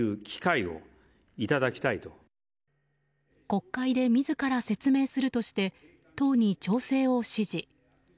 国会で自ら説明するとして党に調整を指示。